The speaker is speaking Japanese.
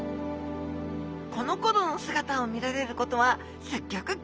このころの姿を見られることはすっギョく